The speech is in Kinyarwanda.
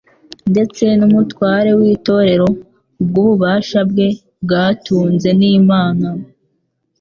ndetse n'umutware w'itorero kubw'ububasha bwe bwatwunze n'Imana.